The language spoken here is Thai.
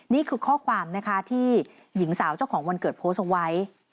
นี่คือข้อความนะคะที่หญิงสาวเจ้าของวันเกิดโพสต์เอาไว้